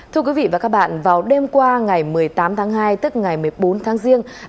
thưa quý vị và các bạn vào đêm qua ngày một mươi tám tháng hai tức ngày một mươi bốn tháng riêng